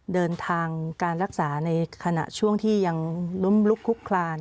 เดินทางการรักษาในขณะช่วงที่ยังล้มลุกคุกคลาน